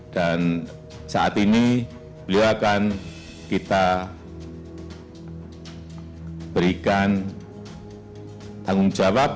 dan saat ini beliau akan kita berikan tanggung jawab